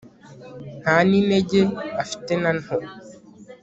nta n'inenge afite na nto